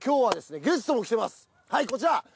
はいこちら！